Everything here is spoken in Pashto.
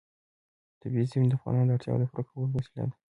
طبیعي زیرمې د افغانانو د اړتیاوو د پوره کولو وسیله ده.